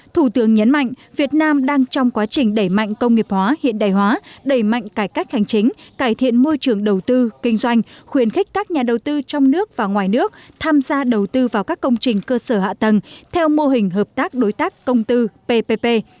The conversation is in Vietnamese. thủ tướng nhấn mạnh việt nam đang trong quá trình đẩy mạnh công nghiệp hóa hiện đại hóa đẩy mạnh cải cách hành chính cải thiện môi trường đầu tư kinh doanh khuyến khích các nhà đầu tư trong nước và ngoài nước tham gia đầu tư vào các công trình cơ sở hạ tầng theo mô hình hợp tác đối tác công tư ppp